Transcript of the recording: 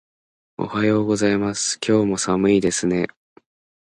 おはようございます。今日も寒いですね。